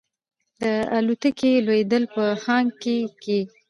د الوتکې لوېدل په هانګ کې کې.